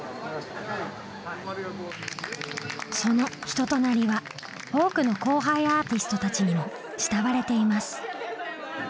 その人となりは多くの後輩アーティストたちにも慕われています。